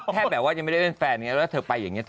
แค่แบบว่าจะไม่ได้เป็นแฟนแล้วเธอไปอย่างนี้